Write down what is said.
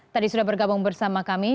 tadi sudah bergabung bersama kami